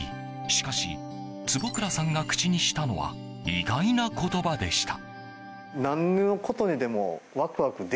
しかし、坪倉さんが口にしたのは意外な言葉でした。